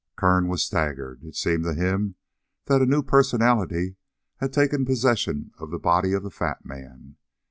Kern was staggered. It seemed to him that a new personality had taken possession of the body of the fat man.